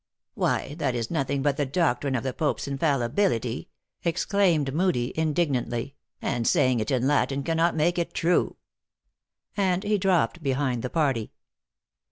"Why that is nothing but the doctrine of the Pope s infallibility," exclaimed Moodie, indignantly ;" and saying it in Latin cannot make it true." And he dropped behind the party.